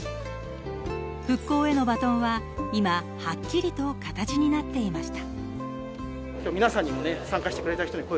復興へのバトンは今、はっきりと形になっていました。